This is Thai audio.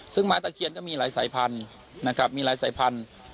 ซึ่งไม้ตะเคียนก็มีหลายสายพันธุ์นะครับมีหลายสายพันธุ์